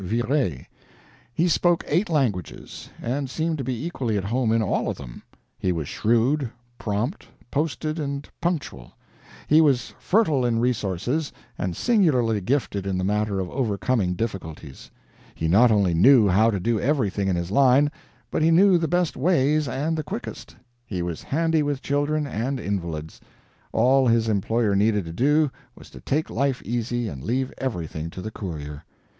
Verey. He spoke eight languages, and seemed to be equally at home in all of them; he was shrewd, prompt, posted, and punctual; he was fertile in resources, and singularly gifted in the matter of overcoming difficulties; he not only knew how to do everything in his line, but he knew the best ways and the quickest; he was handy with children and invalids; all his employer needed to do was to take life easy and leave everything to the courier.